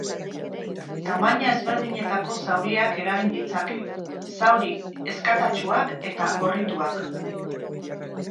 Tamaina ezberdineko zauriak eragin ditzake, zauri ezkatatsuak eta gorrituak.